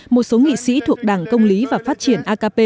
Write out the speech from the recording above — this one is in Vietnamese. một số nghị sĩ thuộc đảng công lý và phát triển akp